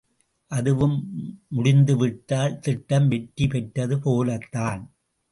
அதுவும் முடிந்துவிட்டால் திட்டம் வெற்றி பெற்றது போலத்தான்.